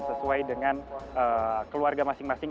sesuai dengan keluarga masing masing